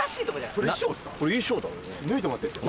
・それ衣装ですか？